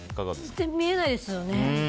全然見えないですよね。